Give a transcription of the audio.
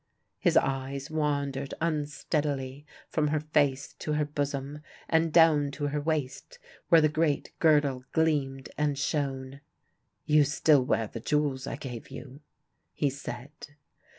His eyes wandered unsteadily from her face to her bosom, and down to her waist where the great girdle gleamed and shone. "You still wear the jewels I gave you," he said.